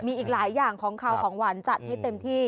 มีอีกหลายอย่างของขาวของหวานจัดให้เต็มที่